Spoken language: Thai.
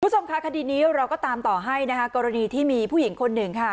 คุณผู้ชมค่ะคดีนี้เราก็ตามต่อให้นะคะกรณีที่มีผู้หญิงคนหนึ่งค่ะ